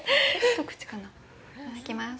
いただきます。